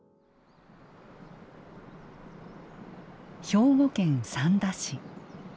兵庫県三田市。